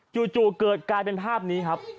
จู่เกิดกลายเป็นภาพนี้ครับ